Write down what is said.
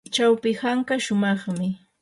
chawpi hanka shumaqmi.